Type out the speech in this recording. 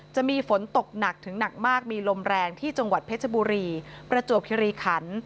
จะมีฝนตกหนักถึงหนักมากมีลมแรงที่จังหวัดเพชรบุรีประจวบคิริขัน